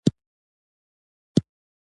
په کتاب کې داسې اصطلاحات هم شته چې په پښتو کې